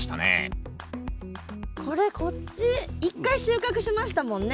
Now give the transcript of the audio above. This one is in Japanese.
これこっち一回収穫しましたもんね。